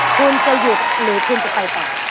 คุณจะหยุดหรือคุณจะไปต่อ